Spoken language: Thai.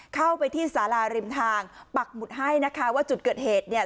เข้าไปที่สาราริมทางปักหมุดให้นะคะว่าจุดเกิดเหตุเนี่ย